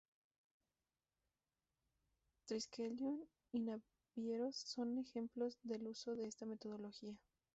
Triskelion y Navieros son ejemplos del uso de esta metodología.